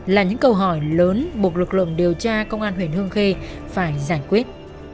là những câu hỏi lớn buộc lực lượng điều tra công an huyện hương khê phải giải quyết